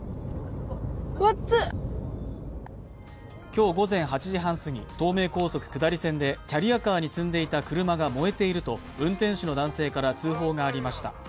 今日午前８時半すぎ、東名高速下り線でキャリアカーに積んでいた車が燃えていると運転手の男性から通報がありました。